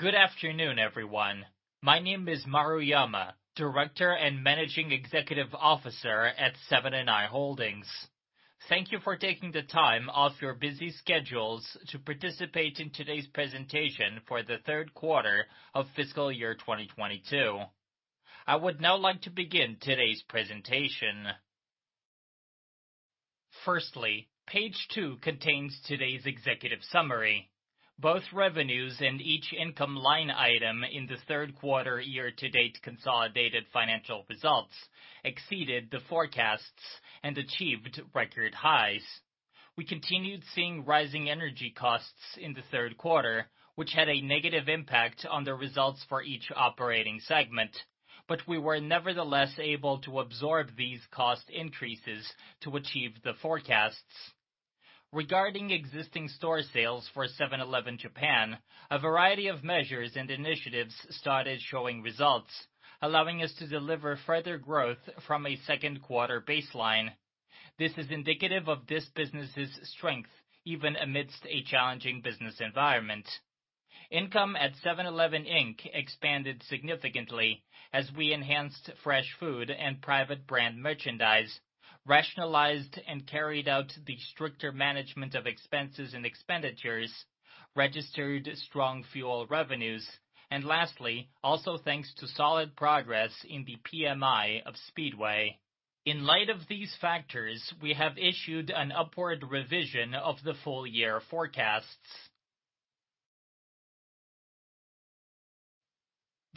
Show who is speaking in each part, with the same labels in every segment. Speaker 1: Good afternoon, everyone. My name is Maruyama, director and managing executive officer at Seven & i Holdings. Thank you for taking the time off your busy schedules to participate in today's presentation for the third quarter of fiscal year 2022. I would now like to begin today's presentation. Firstly, page two contains today's executive summary. Both revenues and each income line item in the third quarter year-to-date consolidated financial results exceeded the forecasts and achieved record highs. We continued seeing rising energy costs in the third quarter, which had a negative impact on the results for each operating segment. We were nevertheless able to absorb these cost increases to achieve the forecasts. Regarding existing store sales for Seven-Eleven Japan, a variety of measures and initiatives started showing results, allowing us to deliver further growth from a second quarter baseline. This is indicative of this business's strength even amidst a challenging business environment. Income at 7-Eleven, Inc. expanded significantly as we enhanced fresh food and private brand merchandise, rationalized and carried out the stricter management of expenses and expenditures, registered strong fuel revenues, and lastly, also thanks to solid progress in the PMI of Speedway. In light of these factors, we have issued an upward revision of the full-year forecasts.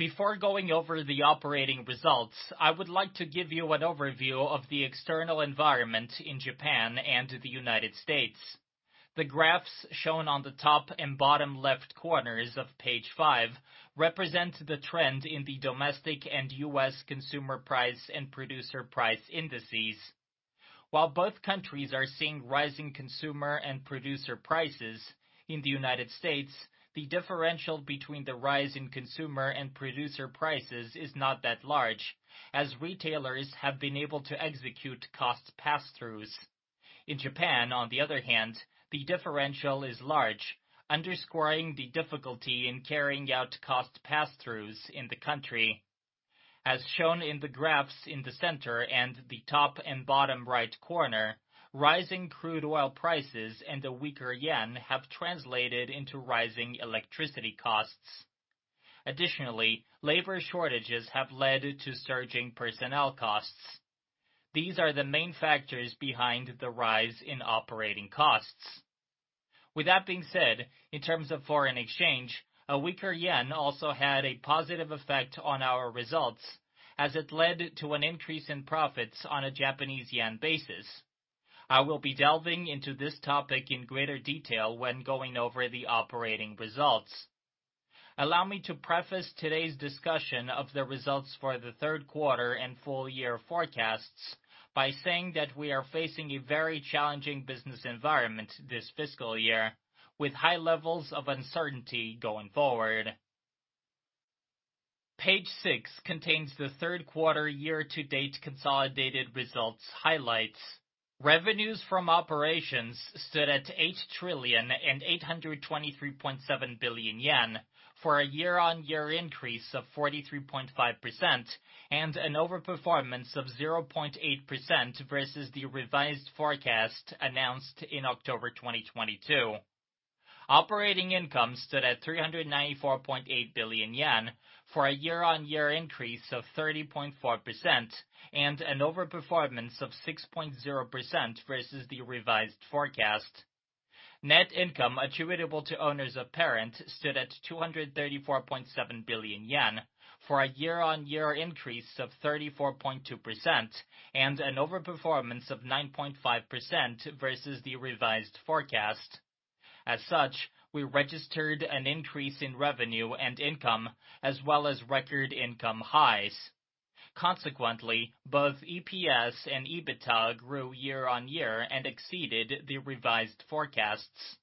Speaker 1: Before going over the operating results, I would like to give you an overview of the external environment in Japan and the U.S. The graphs shown on the top and bottom left corners of page five represent the trend in the domestic and U.S. Consumer Price and Producer Price Indices. While both countries are seeing rising Consumer and Producer Prices, in the U.S., the differential between the rise in Consumer and Producer Prices is not that large, as retailers have been able to execute cost pass-throughs. In Japan, on the other hand, the differential is large, underscoring the difficulty in carrying out cost pass-throughs in the country. As shown in the graphs in the center and the top and bottom right corner, rising crude oil prices and a weaker yen have translated into rising electricity costs. Additionally, labor shortages have led to surging personnel costs. These are the main factors behind the rise in operating costs. With that being said, in terms of foreign exchange, a weaker yen also had a positive effect on our results, as it led to an increase in profits on a Japanese yen basis. I will be delving into this topic in greater detail when going over the operating results. Allow me to preface today's discussion of the results for the third quarter and full-year forecasts by saying that we are facing a very challenging business environment this fiscal year, with high levels of uncertainty going forward. Page six contains the third quarter year-to-date consolidated results highlights. Revenues from operations stood at 8,823.7 billion yen, for a year-on-year increase of 43.5% and an overperformance of 0.8% versus the revised forecast announced in October 2022. Operating income stood at 394.8 billion yen, for a year-on-year increase of 30.4% and an overperformance of 6.0% versus the revised forecast. Net income attributable to owners of parent stood at 234.7 billion yen, for a year-on-year increase of 34.2% and an overperformance of 9.5% versus the revised forecast. As such, we registered an increase in revenue and income, as well as record income highs. Both EPS and EBITDA grew year-on-year and exceeded the revised forecasts.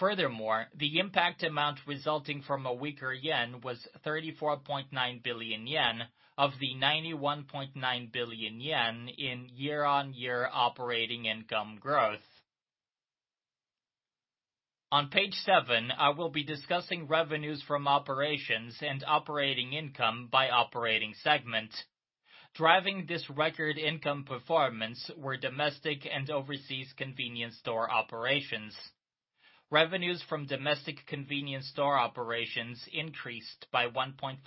Speaker 1: The impact amount resulting from a weaker yen was 34.9 billion yen of the 91.9 billion yen in year-on-year operating income growth. On page seven, I will be discussing revenues from operations and operating income by operating segment. Driving this record income performance were domestic and overseas convenience store operations. Revenues from domestic convenience store operations increased by 1.5%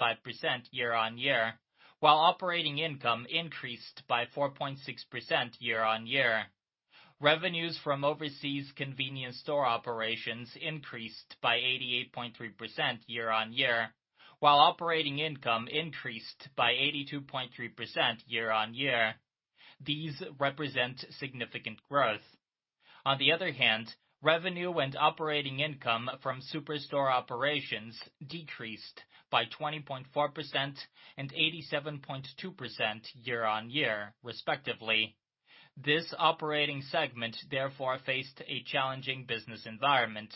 Speaker 1: year-on-year, while operating income increased by 4.6% year-on-year. Revenues from overseas convenience store operations increased by 88.3% year-on-year, while operating income increased by 82.3% year-on-year. These represent significant growth. Revenue and operating income from superstore operations decreased by 20.4% and 87.2% year-on-year respectively. This operating segment therefore faced a challenging business environment.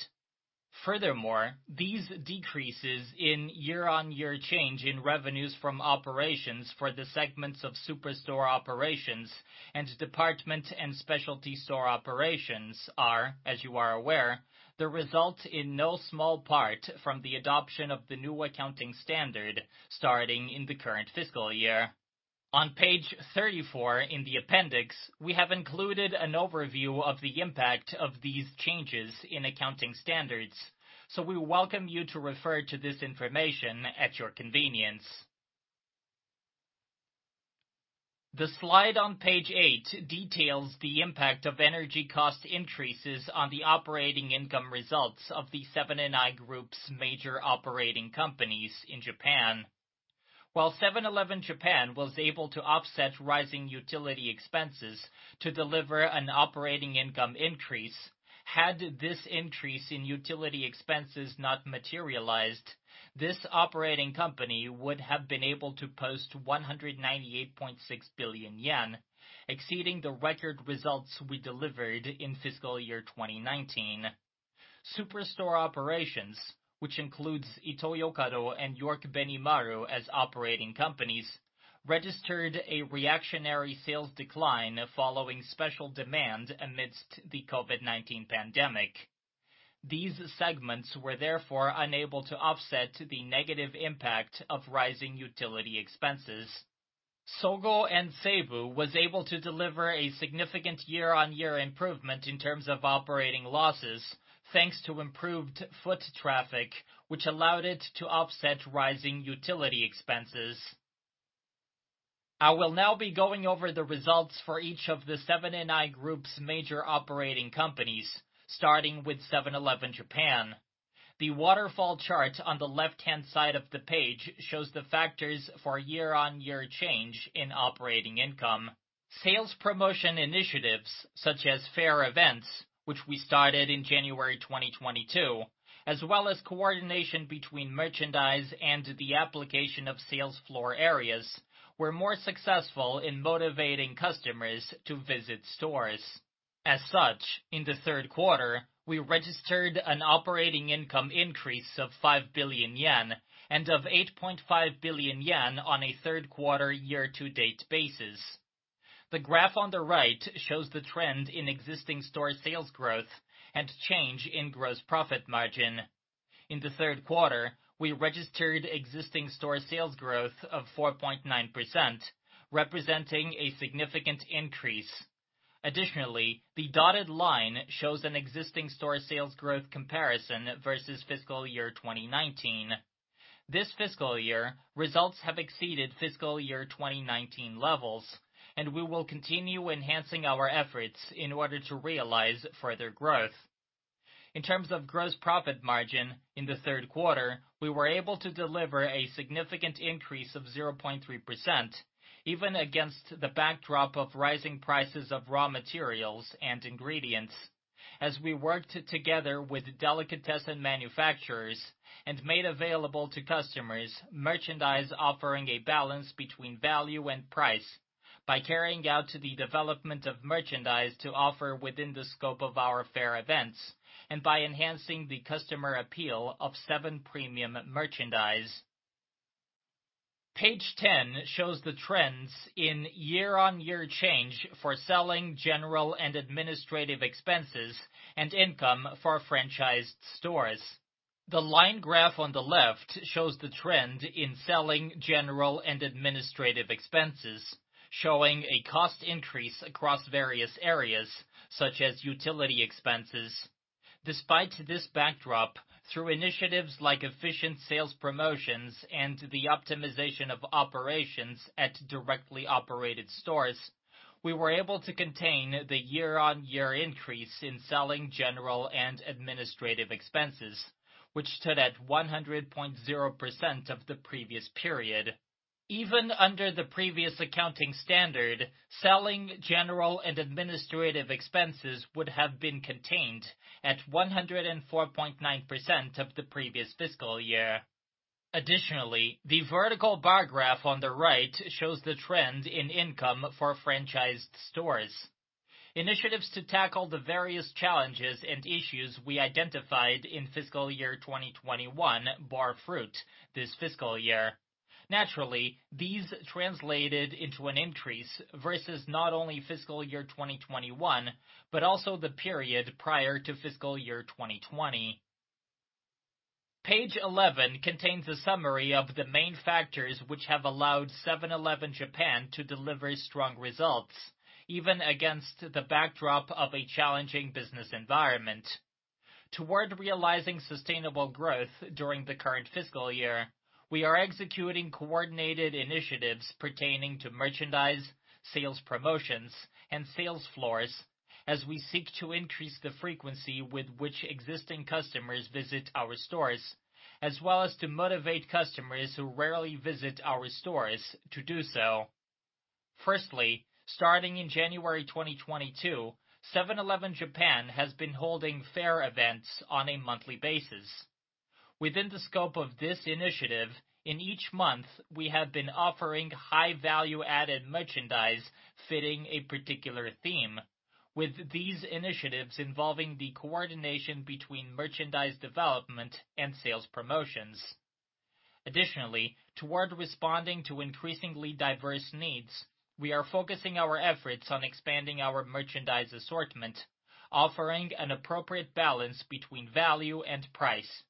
Speaker 1: These decreases in year-on-year change in revenues from operations for the segments of superstore operations and department and specialty store operations are, as you are aware, the result in no small part from the adoption of the new accounting standard starting in the current fiscal year. On page 34 in the appendix, we have included an overview of the impact of these changes in accounting standards. We welcome you to refer to this information at your convenience. The slide on page eight details the impact of energy cost increases on the operating income results of the Seven & i Group's major operating companies in Japan. While Seven-Eleven Japan was able to offset rising utility expenses to deliver an operating income increase, had this increase in utility expenses not materialized, this operating company would have been able to post 198.6 billion yen, exceeding the record results we delivered in fiscal year 2019. Superstore operations, which includes Ito-Yokado and York-Benimaru as operating companies, registered a reactionary sales decline following special demand amidst the COVID-19 pandemic. These segments were therefore unable to offset the negative impact of rising utility expenses. Sogo & Seibu was able to deliver a significant year-on-year improvement in terms of operating losses, thanks to improved foot traffic, which allowed it to offset rising utility expenses. I will now be going over the results for each of the Seven & i Group's major operating companies, starting with Seven-Eleven Japan. The waterfall chart on the left-hand side of the page shows the factors for year-on-year change in operating income. Sales promotion initiatives, such as fair events, which we started in January 2022, as well as coordination between merchandise and the application of sales floor areas, were more successful in motivating customers to visit stores. In the third quarter, we registered an operating income increase of 5 billion yen and of 8.5 billion yen on a third quarter year-to-date basis. The graph on the right shows the trend in existing store sales growth and change in gross profit margin. In the third quarter, we registered existing store sales growth of 4.9%, representing a significant increase. The dotted line shows an existing store sales growth comparison versus fiscal year 2019. This fiscal year, results have exceeded fiscal year 2019 levels, and we will continue enhancing our efforts in order to realize further growth. In terms of gross profit margin, in the third quarter, we were able to deliver a significant increase of 0.3%, even against the backdrop of rising prices of raw materials and ingredients. As we worked together with delicatessen manufacturers and made available to customers merchandise offering a balance between value and price by carrying out to the development of merchandise to offer within the scope of our fair events and by enhancing the customer appeal of Seven Premium merchandise. Page 10 shows the trends in year-on-year change for selling general and administrative expenses and income for franchised stores. The line graph on the left shows the trend in selling general and administrative expenses, showing a cost increase across various areas such as utility expenses. Despite this backdrop, through initiatives like efficient sales promotions and the optimization of operations at directly operated stores, we were able to contain the year-on-year increase in selling general and administrative expenses, which stood at 100.0% of the previous period. Even under the previous accounting standard, selling general and administrative expenses would have been contained at 104.9% of the previous fiscal year. The vertical bar graph on the right shows the trend in income for franchised stores. Initiatives to tackle the various challenges and issues we identified in fiscal year 2021 bore fruit this fiscal year. Naturally, these translated into an increase versus not only fiscal year 2021, but also the period prior to fiscal year 2020. Page 11 contains a summary of the main factors which have allowed Seven-Eleven Japan to deliver strong results, even against the backdrop of a challenging business environment. Toward realizing sustainable growth during the current fiscal year, we are executing coordinated initiatives pertaining to merchandise, sales promotions, and sales floors as we seek to increase the frequency with which existing customers visit our stores, as well as to motivate customers who rarely visit our stores to do so. Firstly, starting in January 2022, Seven-Eleven Japan has been holding fair events on a monthly basis. Within the scope of this initiative, in each month, we have been offering high value-added merchandise fitting a particular theme. With these initiatives involving the coordination between merchandise development and sales promotions. Toward responding to increasingly diverse needs, we are focusing our efforts on expanding our merchandise assortment, offering an appropriate balance between value and price.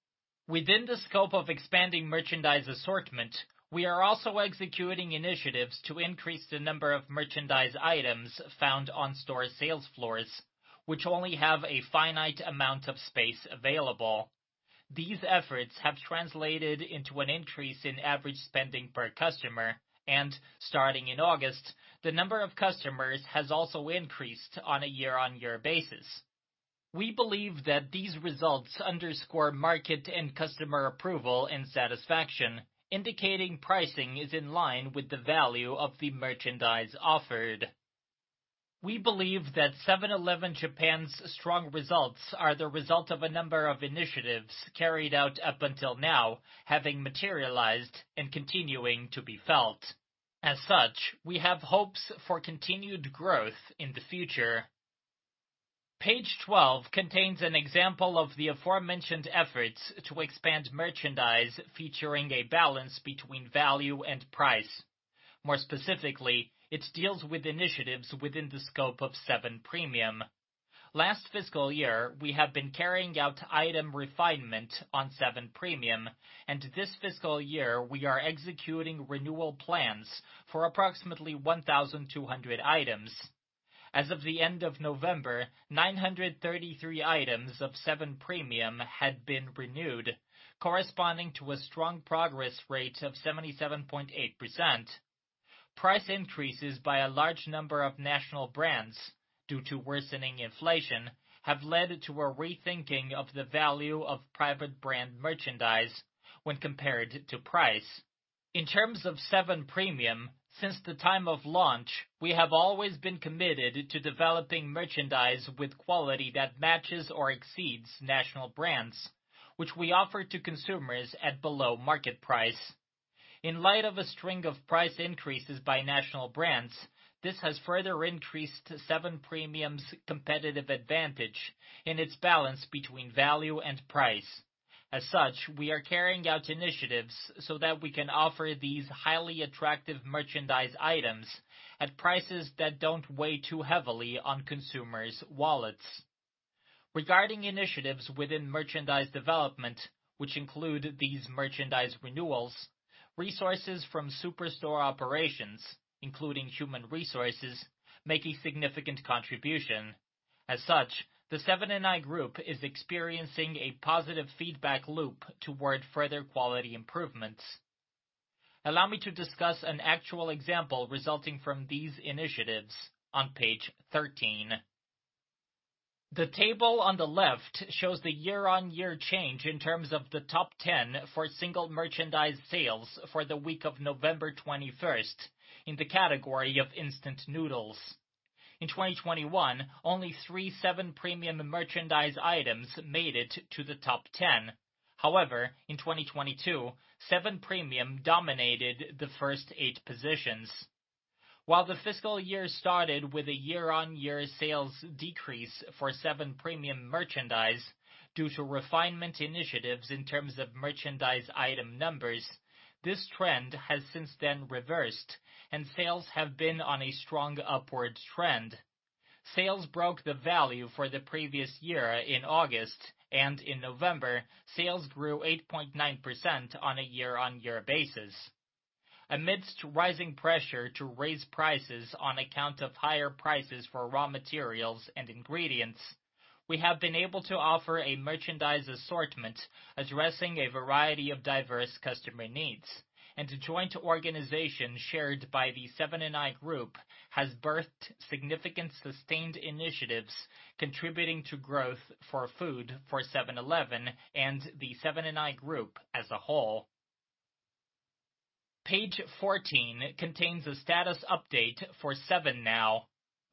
Speaker 1: Within the scope of expanding merchandise assortment, we are also executing initiatives to increase the number of merchandise items found on store sales floors, which only have a finite amount of space available. These efforts have translated into an increase in average spending per customer, and starting in August, the number of customers has also increased on a year-on-year basis. We believe that these results underscore market and customer approval and satisfaction, indicating pricing is in line with the value of the merchandise offered. We believe that Seven-Eleven Japan's strong results are the result of a number of initiatives carried out up until now, having materialized and continuing to be felt. As such, we have hopes for continued growth in the future. Page 12 contains an example of the aforementioned efforts to expand merchandise featuring a balance between value and price. More specifically, it deals with initiatives within the scope of 7-Premium. Last fiscal year, we have been carrying out item refinement on 7-Premium, and this fiscal year, we are executing renewal plans for approximately 1,200 items. As of the end of November, 933 items of 7-Premium had been renewed, corresponding to a strong progress rate of 77.8%. Price increases by a large number of national brands due to worsening inflation have led to a rethinking of the value of private brand merchandise when compared to price. In terms of 7-Premium, since the time of launch, we have always been committed to developing merchandise with quality that matches or exceeds national brands, which we offer to consumers at below market price. In light of a string of price increases by national brands, this has further increased 7-Premium's competitive advantage in its balance between value and price. We are carrying out initiatives so that we can offer these highly attractive merchandise items at prices that don't weigh too heavily on consumers' wallets. Regarding initiatives within merchandise development, which include these merchandise renewals, resources from superstore operations, including human resources, make a significant contribution. The Seven & i Group is experiencing a positive feedback loop toward further quality improvements. Allow me to discuss an actual example resulting from these initiatives on page 13. The table on the left shows the year-on-year change in terms of the top 10 for single merchandise sales for the week of November 21st in the category of instant noodles. In 2021, only three 7-Premium merchandise items made it to the top 10. However, in 2022, 7-Premium dominated the first eight positions. While the fiscal year started with a year-on-year sales decrease for 7-Premium merchandise due to refinement initiatives in terms of merchandise item numbers, this trend has since then reversed, and sales have been on a strong upward trend. Sales broke the value for the previous year in August, and in November, sales grew 8.9% on a year-on-year basis. Amidst rising pressure to raise prices on account of higher prices for raw materials and ingredients, we have been able to offer a merchandise assortment addressing a variety of diverse customer needs, and joint organization shared by the Seven & i Group has birthed significant sustained initiatives contributing to growth for food for 7-Eleven and the Seven & i Group as a whole. Page 14 contains a status update for 7NOW.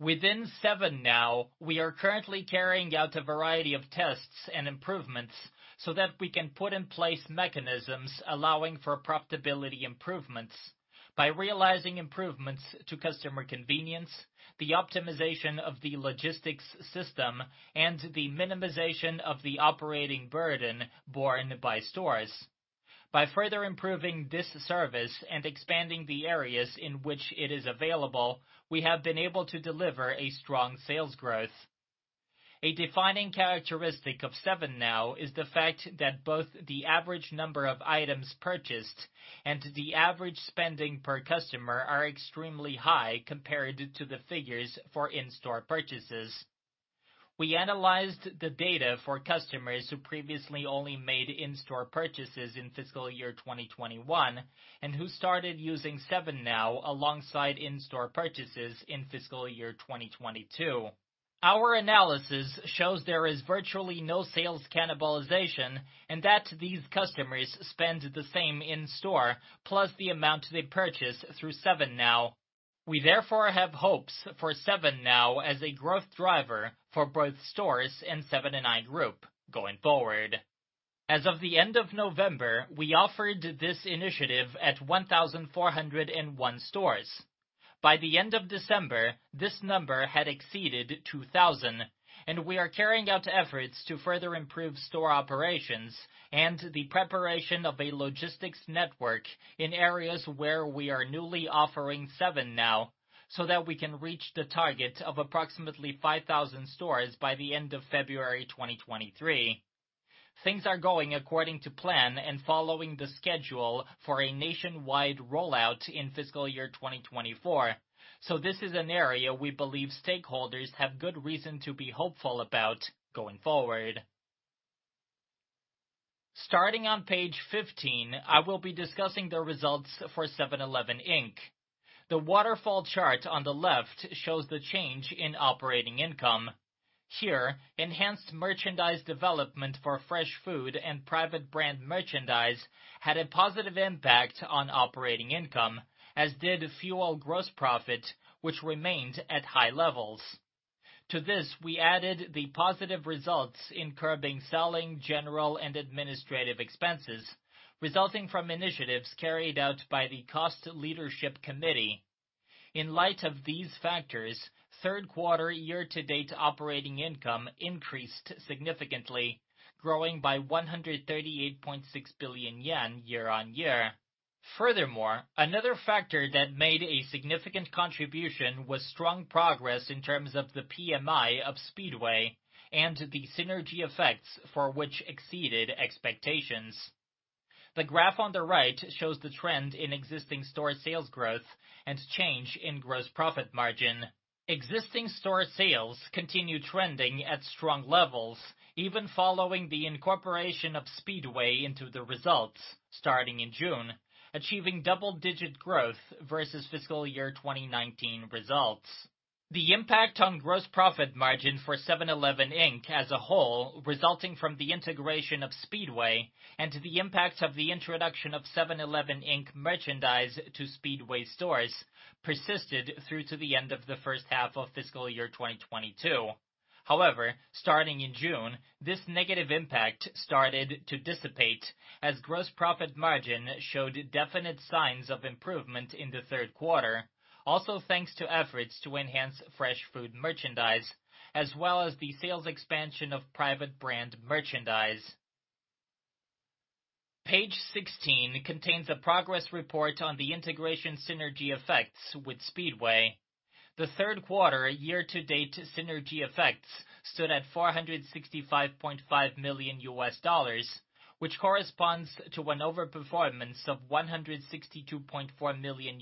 Speaker 1: Within 7NOW, we are currently carrying out a variety of tests and improvements so that we can put in place mechanisms allowing for profitability improvements by realizing improvements to customer convenience, the optimization of the logistics system, and the minimization of the operating burden borne by stores. By further improving this service and expanding the areas in which it is available, we have been able to deliver a strong sales growth. A defining characteristic of 7NOW is the fact that both the average number of items purchased and the average spending per customer are extremely high compared to the figures for in-store purchases. We analyzed the data for customers who previously only made in-store purchases in fiscal year 2021 and who started using 7NOW alongside in-store purchases in fiscal year 2022. Our analysis shows there is virtually no sales cannibalization and that these customers spend the same in-store, plus the amount they purchase through 7NOW. We therefore have hopes for 7NOW as a growth driver for both stores and 7&i Group going forward. As of the end of November, we offered this initiative at 1,401 stores. By the end of December, this number had exceeded 2,000, and we are carrying out efforts to further improve store operations and the preparation of a logistics network in areas where we are newly offering 7NOW, so that we can reach the target of approximately 5,000 stores by the end of February 2023. Things are going according to plan and following the schedule for a nationwide rollout in fiscal year 2024. This is an area we believe stakeholders have good reason to be hopeful about going forward. Starting on page 15, I will be discussing the results for 7-Eleven, Inc. The waterfall chart on the left shows the change in operating income. Here, enhanced merchandise development for fresh food and private brand merchandise had a positive impact on operating income, as did fuel gross profit, which remained at high levels. To this, we added the positive results in curbing selling general and administrative expenses resulting from initiatives carried out by the Cost Leadership Committee. In light of these factors, third quarter year-on-year operating income increased significantly, growing by 138.6 billion yen year-on-year. Furthermore, another factor that made a significant contribution was strong progress in terms of the PMI of Speedway and the synergy effects for which exceeded expectations. The graph on the right shows the trend in existing store sales growth and change in gross profit margin. Existing store sales continue trending at strong levels, even following the incorporation of Speedway into the results starting in June, achieving double-digit growth versus fiscal year 2019 results. The impact on gross profit margin for 7-Eleven, Inc. as a whole resulting from the integration of Speedway and the impact of the introduction of 7-Eleven, Inc. merchandise to Speedway stores persisted through to the end of the first half of fiscal year 2022. However, starting in June, this negative impact started to dissipate as gross profit margin showed definite signs of improvement in the third quarter. Also, thanks to efforts to enhance fresh food merchandise, as well as the sales expansion of private brand merchandise. Page 16 contains a progress report on the integration synergy effects with Speedway. The third quarter year-to-date synergy effects stood at $465.5 million, which corresponds to an overperformance of $162.4 million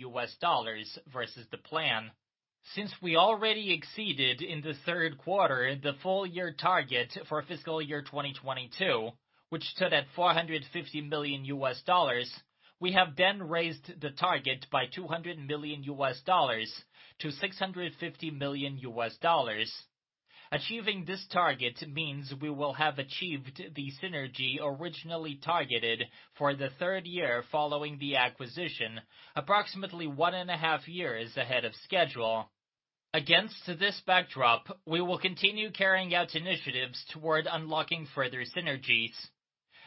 Speaker 1: versus the plan. Since we already exceeded in the third quarter the full-year target for fiscal year 2022, which stood at $450 million, we have then raised the target by $200 million to $650 million. Achieving this target means we will have achieved the synergy originally targeted for the third year following the acquisition, approximately one and a half years ahead of schedule. Against this backdrop, we will continue carrying out initiatives toward unlocking further synergies.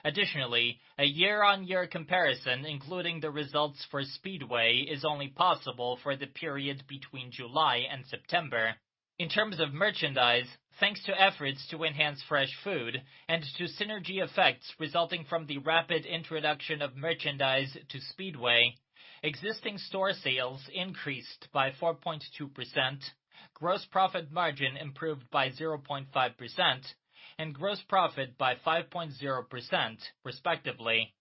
Speaker 1: Additionally, a year-on-year comparison, including the results for Speedway, is only possible for the period between July and September. In terms of merchandise, thanks to efforts to enhance fresh food and to synergy effects resulting from the rapid introduction of merchandise to Speedway, existing store sales increased by 4.2%, gross profit margin improved by 0.5%, and gross profit by 5.0% respectively.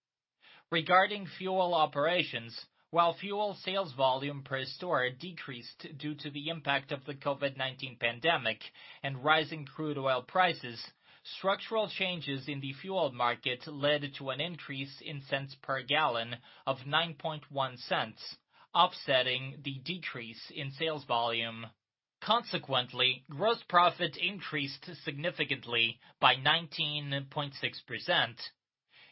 Speaker 1: Regarding fuel operations, while fuel sales volume per store decreased due to the impact of the COVID-19 pandemic and rising crude oil prices, structural changes in the fuel market led to an increase in cents per gallon of $0.091, offsetting the decrease in sales volume. Consequently, gross profit increased significantly by 19.6%.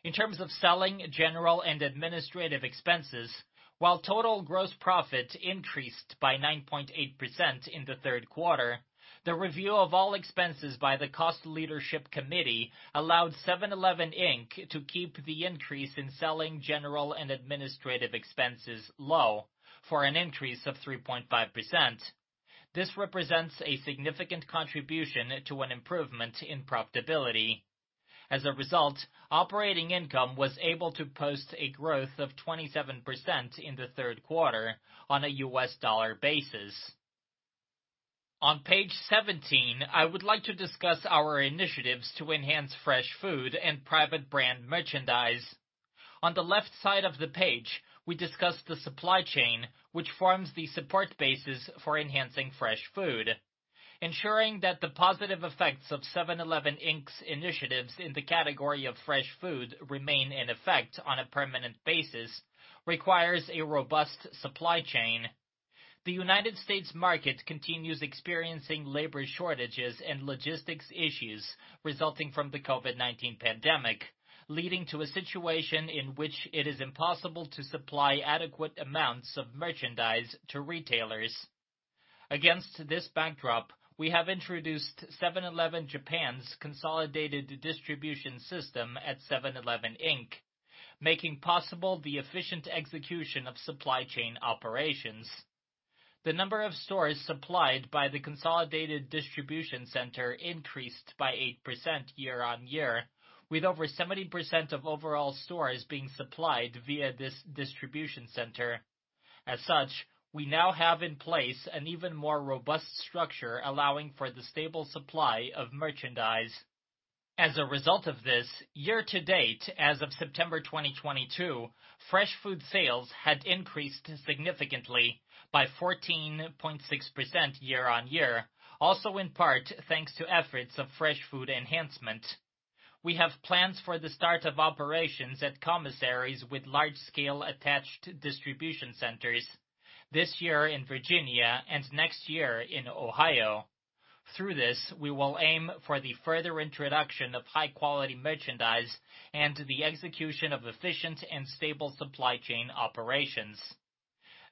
Speaker 1: In terms of selling, general, and administrative expenses, while total gross profit increased by 9.8% in the third quarter, the review of all expenses by the Cost Leadership Committee allowed 7-Eleven, Inc. to keep the increase in selling, general, and administrative expenses low for an increase of 3.5%. This represents a significant contribution to an improvement in profitability. As a result, operating income was able to post a growth of 27% in the third quarter on a US dollar basis. On page 17, I would like to discuss our initiatives to enhance fresh food and private brand merchandise. On the left side of the page, we discussed the supply chain, which forms the support basis for enhancing fresh food. Ensuring that the positive effects of 7-Eleven, Inc.'s initiatives in the category of fresh food remain in effect on a permanent basis requires a robust supply chain. The United States market continues experiencing labor shortages and logistics issues resulting from the COVID-19 pandemic, leading to a situation in which it is impossible to supply adequate amounts of merchandise to retailers. Against this backdrop, we have introduced Seven-Eleven Japan's consolidated distribution system at 7-Eleven, Inc., making possible the efficient execution of supply chain operations. The number of stores supplied by the consolidated distribution center increased by 8% year-on-year, with over 70% of overall stores being supplied via this distribution center. As such, we now have in place an even more robust structure allowing for the stable supply of merchandise. As a result of this, year to date as of September 2022, fresh food sales had increased significantly by 14.6% year-on-year, also in part thanks to efforts of fresh food enhancement. We have plans for the start of operations at commissaries with large-scale attached distribution centers this year in Virginia and next year in Ohio. Through this, we will aim for the further introduction of high-quality merchandise and the execution of efficient and stable supply chain operations.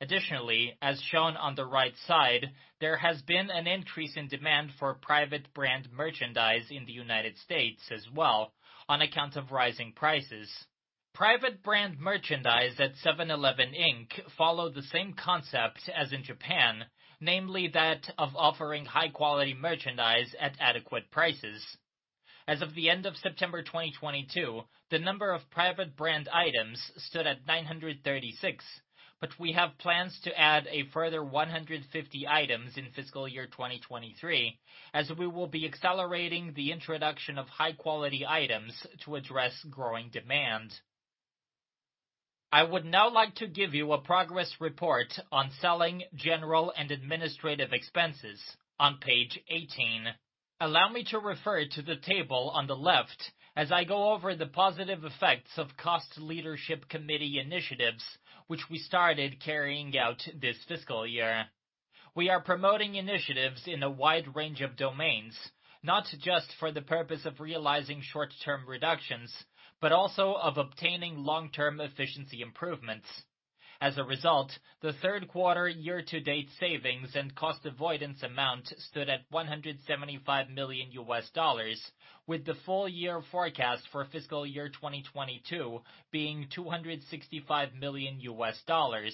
Speaker 1: Additionally, as shown on the right side, there has been an increase in demand for private brand merchandise in the United States as well on account of rising prices. Private brand merchandise at 7-Eleven, Inc. follow the same concept as in Japan, namely that of offering high-quality merchandise at adequate prices. As of the end of September 2022, the number of private brand items stood at 936, but we have plans to add a further 150 items in fiscal year 2023, as we will be accelerating the introduction of high-quality items to address growing demand. I would now like to give you a progress report on selling, general, and administrative expenses on page 18. Allow me to refer to the table on the left as I go over the positive effects of Cost Leadership Committee initiatives, which we started carrying out this fiscal year. We are promoting initiatives in a wide range of domains, not just for the purpose of realizing short-term reductions, but also of obtaining long-term efficiency improvements. As a result, the third quarter year-to-date savings and cost avoidance amount stood at $175 million USD, with the full-year forecast for fiscal year 2022 being $265 million USD.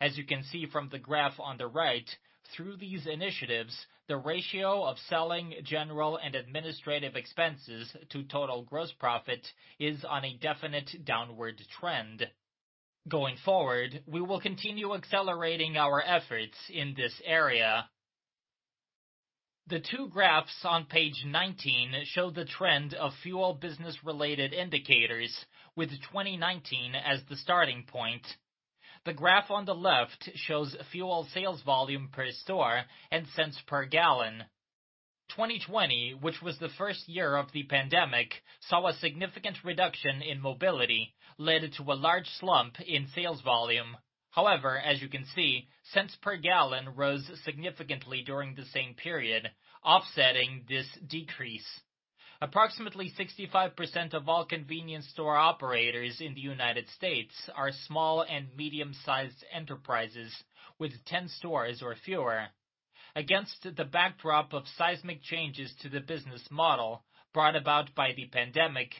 Speaker 1: As you can see from the graph on the right, through these initiatives, the ratio of selling general and administrative expenses to total gross profit is on a definite downward trend. Going forward, we will continue accelerating our efforts in this area. The two graphs on page 19 show the trend of fuel business-related indicators, with 2019 as the starting point. The graph on the left shows fuel sales volume per store and cents per gallon. 2020, which was the first year of the pandemic, saw a significant reduction in mobility, led to a large slump in sales volume. However, as you can see, cents per gallon rose significantly during the same period, offsetting this decrease. Approximately 65% of all convenience store operators in the U.S. are small and medium-sized enterprises with 10 stores or fewer. Against the backdrop of seismic changes to the business model brought about by the pandemic,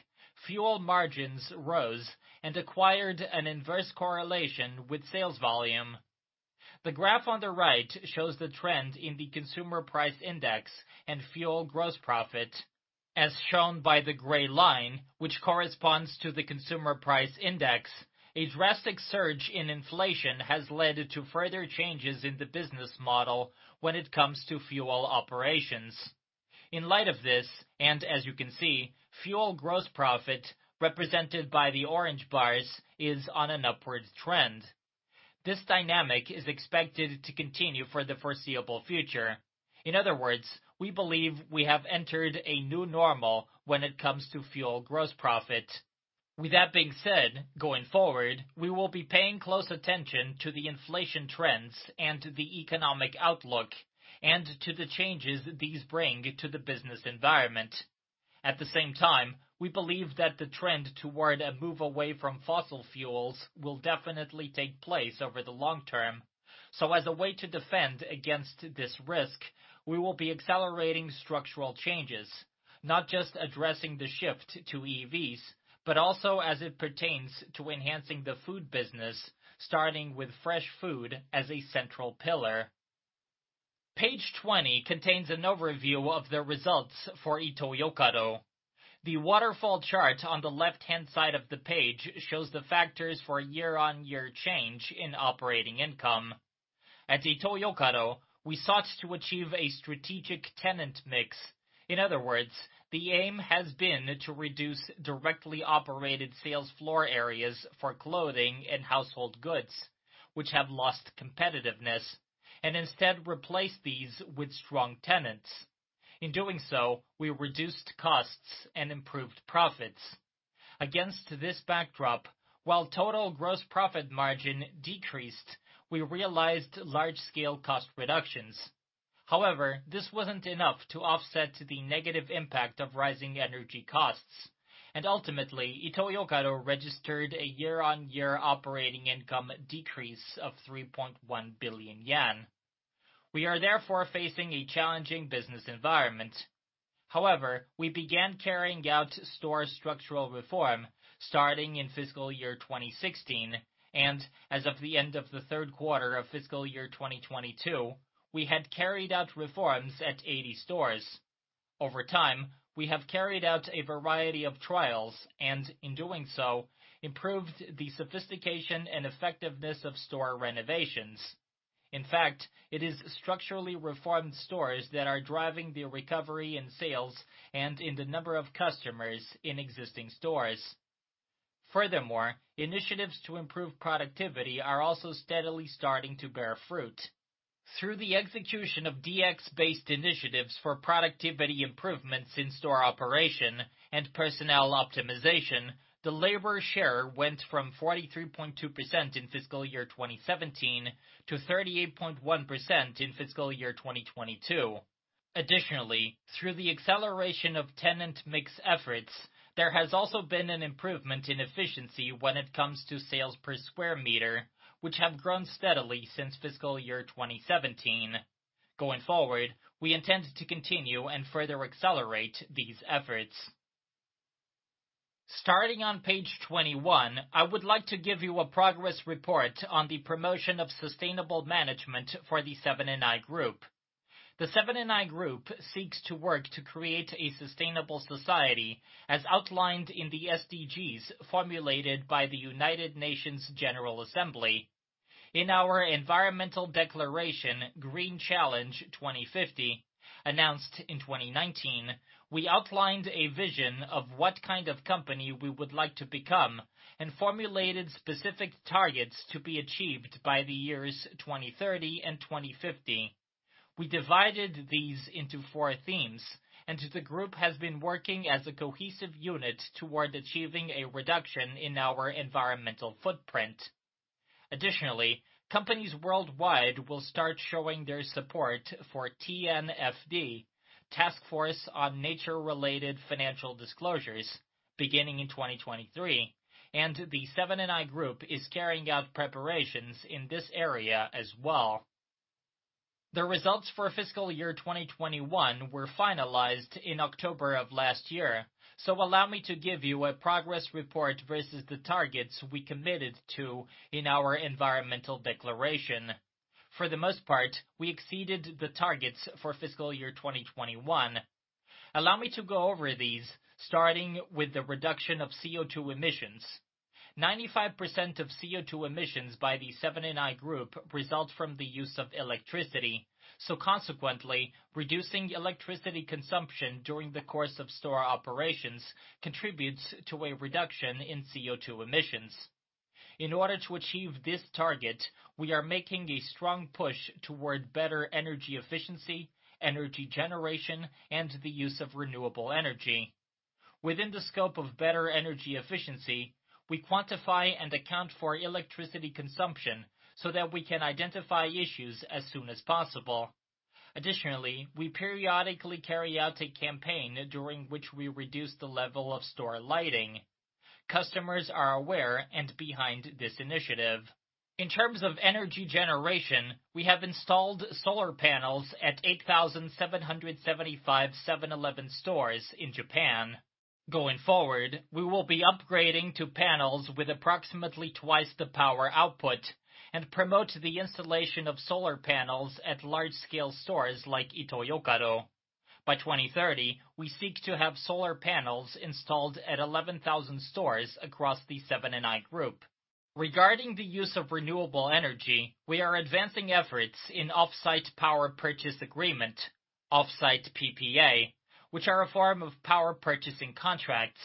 Speaker 1: fuel margins rose and acquired an inverse correlation with sales volume. The graph on the right shows the trend in the Consumer Price Index and fuel gross profit. As shown by the gray line, which corresponds to the Consumer Price Index, a drastic surge in inflation has led to further changes in the business model when it comes to fuel operations. In light of this, as you can see, fuel gross profit represented by the orange bars is on an upward trend. This dynamic is expected to continue for the foreseeable future. In other words, we believe we have entered a new normal when it comes to fuel gross profit. With that being said, going forward, we will be paying close attention to the inflation trends and the economic outlook and to the changes these bring to the business environment. At the same time, we believe that the trend toward a move away from fossil fuels will definitely take place over the long term. As a way to defend against this risk, we will be accelerating structural changes, not just addressing the shift to EVs, but also as it pertains to enhancing the food business, starting with fresh food as a central pillar. Page 20 contains an overview of the results for Ito-Yokado. The waterfall chart on the left-hand side of the page shows the factors for year-on-year change in operating income. At Ito-Yokado, we sought to achieve a strategic tenant mix. In other words, the aim has been to reduce directly operated sales floor areas for clothing and household goods, which have lost competitiveness, and instead replace these with strong tenants. In doing so, we reduced costs and improved profits. Against this backdrop, while total gross profit margin decreased, we realized large-scale cost reductions. However, this wasn't enough to offset the negative impact of rising energy costs. Ultimately, Ito-Yokado registered a year-on-year operating income decrease of 3.1 billion yen. We are therefore facing a challenging business environment. However, we began carrying out store structural reform starting in fiscal year 2016. As of the end of the third quarter of fiscal year 2022, we had carried out reforms at 80 stores. Over time, we have carried out a variety of trials and, in doing so, improved the sophistication and effectiveness of store renovations. In fact, it is structurally reformed stores that are driving the recovery in sales and in the number of customers in existing stores. Furthermore, initiatives to improve productivity are also steadily starting to bear fruit. Through the execution of DX-based initiatives for productivity improvements in store operation and personnel optimization, the labor share went from 43.2% in fiscal year 2017 to 38.1% in fiscal year 2022. Additionally, through the acceleration of tenant mix efforts, there has also been an improvement in efficiency when it comes to sales per square meter, which have grown steadily since fiscal year 2017. Going forward, we intend to continue and further accelerate these efforts. Starting on page 21, I would like to give you a progress report on the promotion of sustainable management for the Seven & i Group. The Seven & i Group seeks to work to create a sustainable society as outlined in the SDGs formulated by the United Nations General Assembly. In our environmental declaration, GREEN CHALLENGE 2050, announced in 2019, we outlined a vision of what kind of company we would like to become and formulated specific targets to be achieved by the years 2030 and 2050. We divided these into four themes, and the group has been working as a cohesive unit toward achieving a reduction in our environmental footprint. Additionally, companies worldwide will start showing their support for TNFD, Taskforce on Nature-related Financial Disclosures, beginning in 2023, and the Seven & i Group is carrying out preparations in this area as well. The results for fiscal year 2021 were finalized in October of last year, so allow me to give you a progress report versus the targets we committed to in our environmental declaration. For the most part, we exceeded the targets for fiscal year 2021. Allow me to go over these, starting with the reduction of CO2 emissions. 95% of CO2 emissions by the Seven & i Group result from the use of electricity. Consequently, reducing electricity consumption during the course of store operations contributes to a reduction in CO2 emissions. In order to achieve this target, we are making a strong push toward better energy efficiency, energy generation, and the use of renewable energy. Within the scope of better energy efficiency, we quantify and account for electricity consumption so that we can identify issues as soon as possible. Additionally, we periodically carry out a campaign during which we reduce the level of store lighting. Customers are aware and behind this initiative. In terms of energy generation, we have installed solar panels at 8,775 Seven-Eleven stores in Japan. Going forward, we will be upgrading to panels with approximately twice the power output and promote the installation of solar panels at large-scale stores like Ito-Yokado. By 2030, we seek to have solar panels installed at 11,000 stores across the Seven & i Group. Regarding the use of renewable energy, we are advancing efforts in off-site Power Purchase Agreement, off-site PPA, which are a form of power purchasing contracts.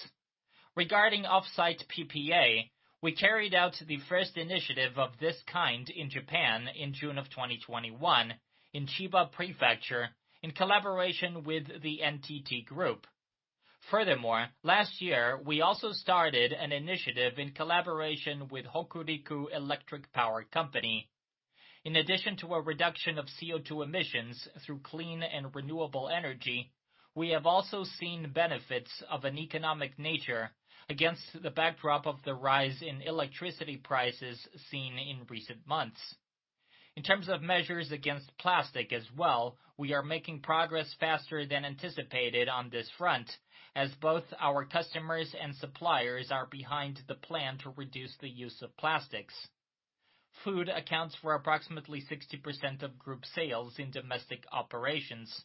Speaker 1: Regarding off-site PPA, we carried out the first initiative of this kind in Japan in June of 2021 in Chiba Prefecture in collaboration with the NTT Group. Furthermore, last year, we also started an initiative in collaboration with Hokuriku Electric Power Company. In addition to a reduction of CO2 emissions through clean and renewable energy, we have also seen benefits of an economic nature against the backdrop of the rise in electricity prices seen in recent months. In terms of measures against plastic as well, we are making progress faster than anticipated on this front as both our customers and suppliers are behind the plan to reduce the use of plastics. Food accounts for approximately 60% of group sales in domestic operations.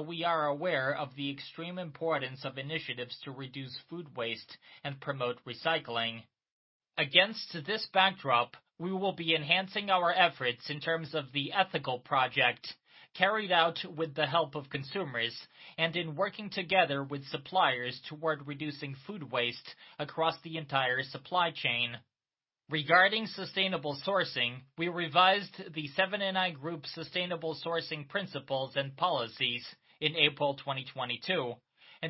Speaker 1: We are aware of the extreme importance of initiatives to reduce food waste and promote recycling. Against this backdrop, we will be enhancing our efforts in terms of the ethical project carried out with the help of consumers and in working together with suppliers toward reducing food waste across the entire supply chain. Regarding sustainable sourcing, we revised the Seven & i Group sustainable sourcing principles and policies in April 2022.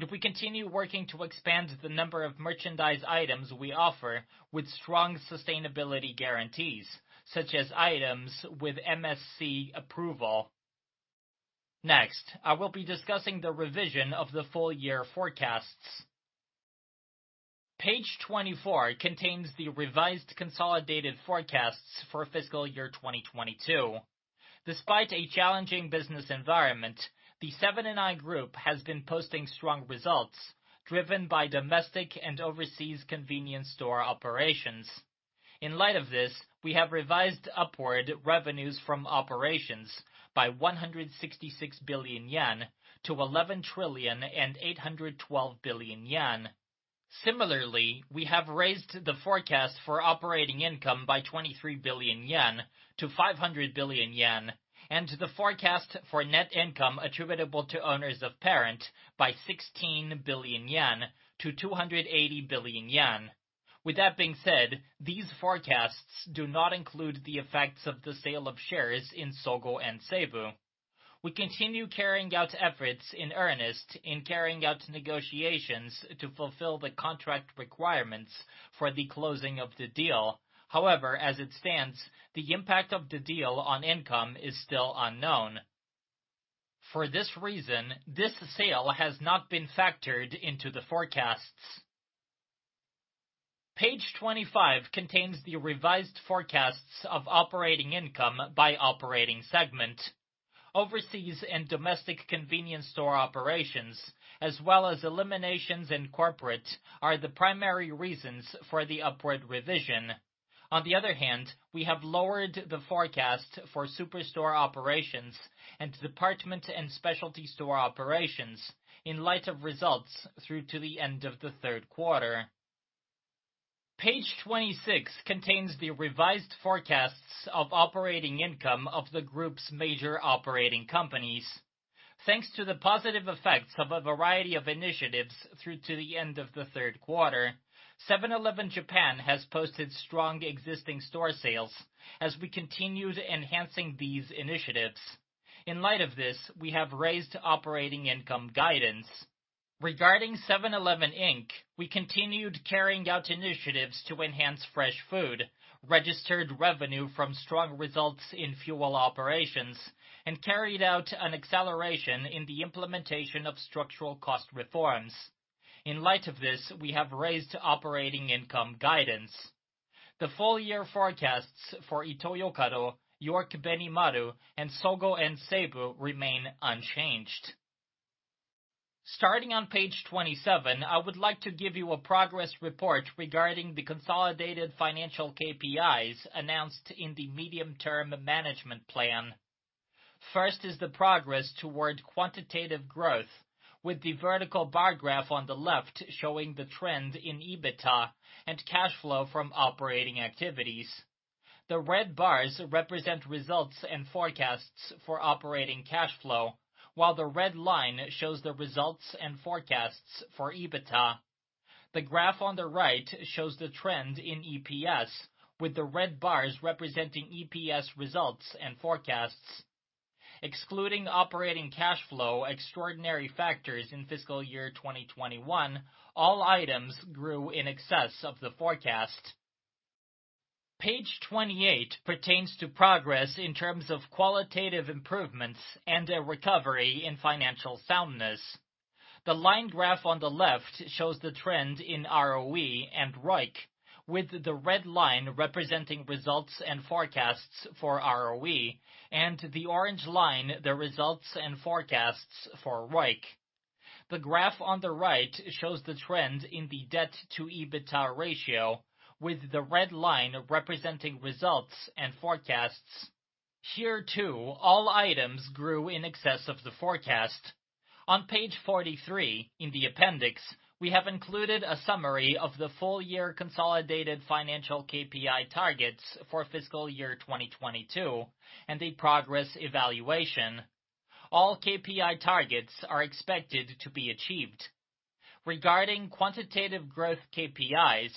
Speaker 1: We continue working to expand the number of merchandise items we offer with strong sustainability guarantees, such as items with MSC approval. Next, I will be discussing the revision of the full year forecasts. Page 24 contains the revised consolidated forecasts for fiscal year 2022. Despite a challenging business environment, the Seven & i Group has been posting strong results driven by domestic and overseas convenience store operations. In light of this, we have revised upward revenues from operations by 166 billion yen to 11,812 billion yen. Similarly, we have raised the forecast for operating income by 23 billion yen to 500 billion yen, and the forecast for net income attributable to owners of parent by 16 billion yen to 280 billion yen. With that being said, these forecasts do not include the effects of the sale of shares in Sogo & Seibu. We continue carrying out efforts in earnest in carrying out negotiations to fulfill the contract requirements for the closing of the deal. As it stands, the impact of the deal on income is still unknown. For this reason, this sale has not been factored into the forecasts. Page 25 contains the revised forecasts of operating income by operating segment. Overseas and domestic convenience store operations, as well as eliminations in corporate, are the primary reasons for the upward revision. We have lowered the forecast for superstore operations and department and specialty store operations in light of results through to the end of the third quarter. Page 26 contains the revised forecasts of operating income of the Group's major operating companies. Thanks to the positive effects of a variety of initiatives through to the end of the third quarter, 7-Eleven Japan has posted strong existing store sales as we continued enhancing these initiatives. In light of this, we have raised operating income guidance. Regarding 7-Eleven, Inc., we continued carrying out initiatives to enhance fresh food, registered revenue from strong results in fuel operations, and carried out an acceleration in the implementation of structural cost reforms. In light of this, we have raised operating income guidance. The full-year forecasts for Ito-Yokado, York-Benimaru, and Sogo & Seibu remain unchanged. Starting on page 27, I would like to give you a progress report regarding the consolidated financial KPIs announced in the Medium-Term Management Plan. First is the progress toward quantitative growth, with the vertical bar graph on the left showing the trend in EBITDA and cash flow from operating activities. The red bars represent results and forecasts for operating cash flow, while the red line shows the results and forecasts for EBITDA. The graph on the right shows the trend in EPS, with the red bars representing EPS results and forecasts. Excluding operating cash flow extraordinary factors in fiscal year 2021, all items grew in excess of the forecast. Page 28 pertains to progress in terms of qualitative improvements and a recovery in financial soundness. The line graph on the left shows the trend in ROE and ROIC, with the red line representing results and forecasts for ROE and the orange line the results and forecasts for ROIC. The graph on the right shows the trend in the debt to EBITDA ratio, with the red line representing results and forecasts. Here, too, all items grew in excess of the forecast. On page 43, in the appendix, we have included a summary of the full-year consolidated financial KPI targets for fiscal year 2022 and a progress evaluation. All KPI targets are expected to be achieved. Regarding quantitative growth KPIs,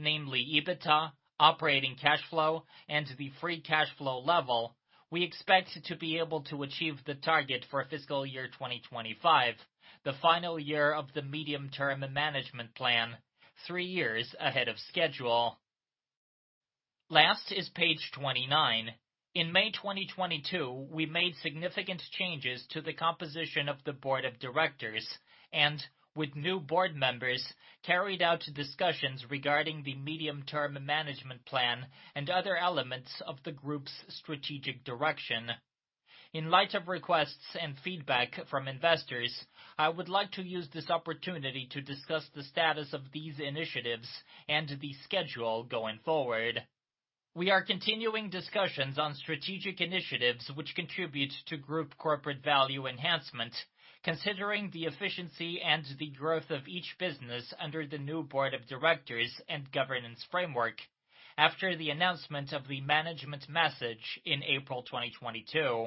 Speaker 1: namely EBITDA, operating cash flow, and the free cash flow level, we expect to be able to achieve the target for fiscal year 2025, the final year of the Medium-Term Management Plan, three years ahead of schedule. Last is page 29. In May 2022, we made significant changes to the composition of the board of directors and, with new board members, carried out discussions regarding the Medium-Term Management Plan and other elements of the Group's strategic direction. In light of requests and feedback from investors, I would like to use this opportunity to discuss the status of these initiatives and the schedule going forward. We are continuing discussions on strategic initiatives which contribute to Group corporate value enhancement, considering the efficiency and the growth of each business under the new board of directors and governance framework after the announcement of the management message in April 2022.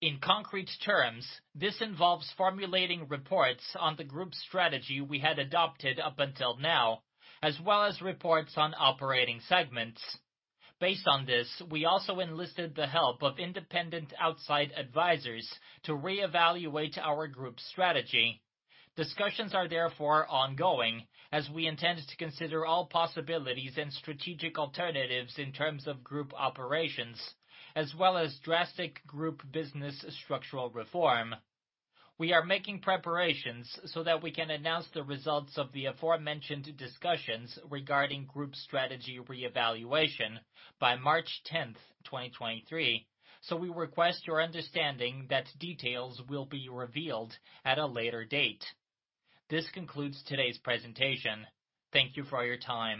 Speaker 1: In concrete terms, this involves formulating reports on the Group strategy we had adopted up until now, as well as reports on operating segments. Based on this, we also enlisted the help of independent outside advisors to reevaluate our Group strategy. Discussions are therefore ongoing as we intend to consider all possibilities and strategic alternatives in terms of Group operations, as well as drastic Group business structural reform. We are making preparations so that we can announce the results of the aforementioned discussions regarding Group strategy reevaluation by March 10th, 2023, so we request your understanding that details will be revealed at a later date. This concludes today's presentation. Thank you for your time.